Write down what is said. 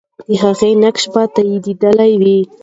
د هغې نقش به تاییدېدلی وو.